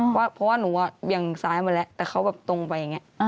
เพราะว่าหนูเวียงซ้ายมาแล้วแต่เขาแบบตรงไปอย่างนี้